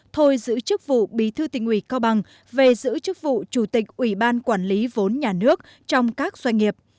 thôi giữ chức vụ bí thư tỉnh ủy cao bằng về giữ chức vụ chủ tịch ủy ban quản lý vốn nhà nước trong các doanh nghiệp